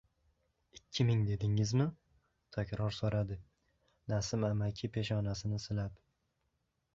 — Ikki ming dedingizmi? — takror so‘radi Nasim amaki peshonasini silab.